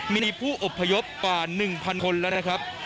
มีผู้อบพยพกว่า๑๐๐คนแล้วนะครับ